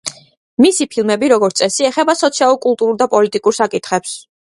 მისი ფილმები როგორც წესი ეხება სოციალურ, კულტურულ და პოლიტიკურ საკითხებს.